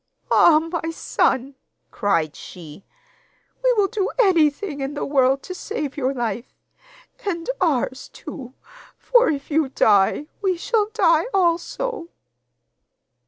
'Ah! my son,' cried she, 'we will do anything in the world to save your life and ours too, for if you die, we shall die also.